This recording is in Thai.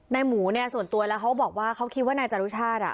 หมูเนี่ยส่วนตัวแล้วเขาบอกว่าเขาคิดว่านายจรุชาติอ่ะ